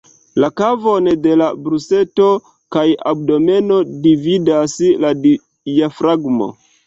La kavon de la brusto kaj abdomeno dividas la diafragmo.